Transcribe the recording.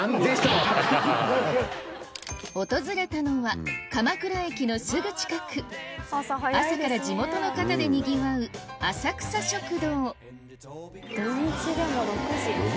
訪れたのは鎌倉駅のすぐ近く朝から地元の方でにぎわう６時からやってんだよ。